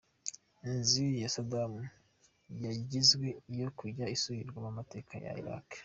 Inzu ya Saddam yagizwe iyo kujya isurirwamo amateka ya Iraq.